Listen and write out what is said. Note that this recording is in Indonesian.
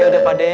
ya udah pak d